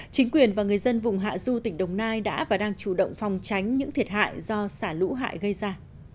chính quyền và người dân vùng hạ du tỉnh đồng nai đã và đang chủ động phòng tránh những thiệt hại do xả lũ hại gây ra